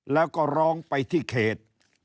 แล้วก็ร้องไปที่เขต